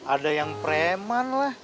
ada yang preman lah